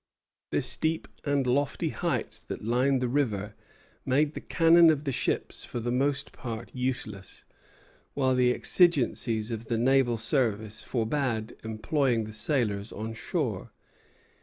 The steep and lofty heights that lined the river made the cannon of the ships for the most part useless, while the exigencies of the naval service forbade employing the sailors on shore.